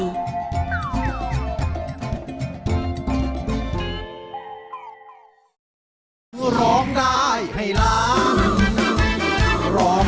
สวัสดีครับเมงอีกแห่งนะครับ